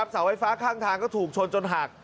เสาไฟฟ้าข้างทางก็ถูกชนจนหัก